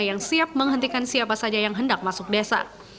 yang siap menghentikan siapa saja yang hendak masuk desa